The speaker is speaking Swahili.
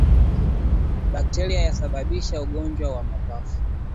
Bakteria anayesababisha ugonjwa wa mapafu